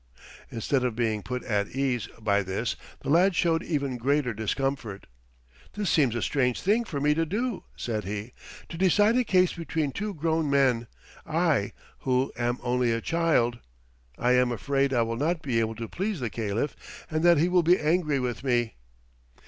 Instead of being put at ease by this the lad showed even greater discomfort. "This seems a strange thing for me to do," said he: "to decide a case between two grown men I who am only a child. I am afraid I will not be able to please the Caliph, and that he will be angry with me."